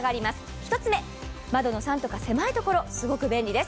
１つめ、窓のサンとか狭いところ、すごく便利です。